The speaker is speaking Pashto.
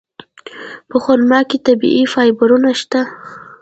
په خرما کې طبیعي فایبرونه شته.